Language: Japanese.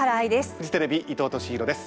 フジテレビ伊藤利尋です。